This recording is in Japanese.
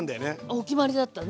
お決まりだったね。